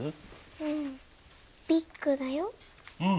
うんビッグだよ。